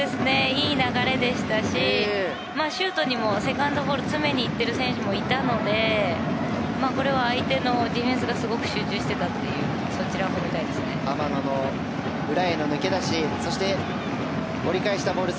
いい流れでしたしシュートにもセカンドボール詰めにいっている選手もいたのでこれは相手のディフェンスがすごく集中していたので浜野の裏への抜け出し折り返したボール